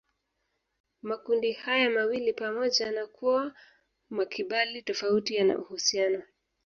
Makundi haya mawili pamoja na kuwa makibali tofauti yana uhusiano